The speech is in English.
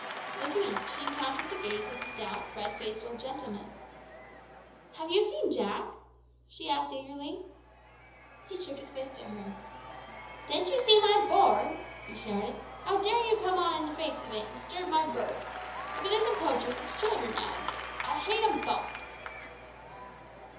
Looking up she encountered the gaze of a stout, red faced old gentleman. "Have you seen Jack?" she asked eagerly. He shook his fist at her. "Didn't you see my board?" he shouted. "How dare you come on in the face of it, and disturb my birds! If it isn't poachers, it's children now a days. I hate 'em both!"